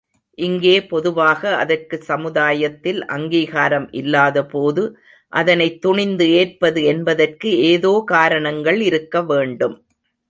இங்கே பொதுவாக அதற்குச் சமுதாயத்தில் அங்கீகாரம் இல்லாதபோது அதனைத் துணிந்து ஏற்பது என்பதற்கு ஏதோ காரணங்கள் இருக்க வேண்டும்.